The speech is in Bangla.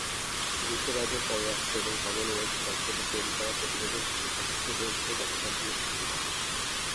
যুক্তরাজ্যের পররাষ্ট্র ও কমনওয়েলথ দপ্তরের তৈরি করা প্রতিবেদনটি প্রকাশিত হয়েছে গতকাল বৃহস্পতিবার।